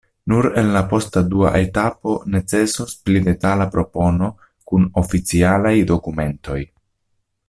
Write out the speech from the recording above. Nur en la posta dua etapo necesos pli detala propono kun oficialaj dokumentoj.